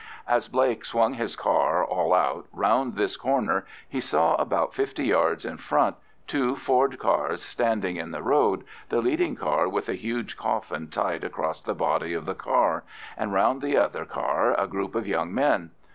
As Blake swung his car, all out, round this corner, he saw about fifty yards in front two Ford cars standing in the road, the leading car with a huge coffin tied across the body of the car, and round the other car a group of young men.